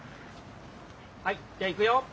はいじゃあいくよ。